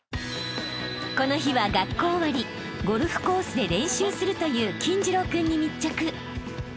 ［この日は学校終わりゴルフコースで練習するという金次郎君に密着］